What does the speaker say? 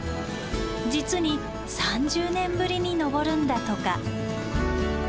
実に３０年ぶりに登るんだとか。